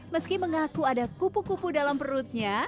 meski mengaku ada kupu kupu dalam perutnya